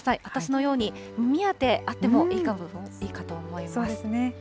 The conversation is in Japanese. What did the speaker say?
私のように、耳当てあってもいいかと思います。